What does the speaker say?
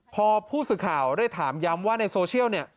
พอผู้สื่อข่าวได้ถามย้ำว่าในโซเชียลเนี่ย